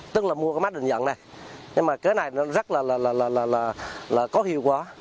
tức là mua cái máy định dạng này nhưng mà cái này nó rất là có hiệu quả